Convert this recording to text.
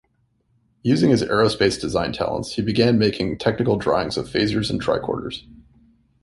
Using his aerospace design talents, he began making technical drawings of phasers and tricorders.